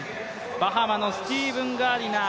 バハマのスティーブン・ガーディナー。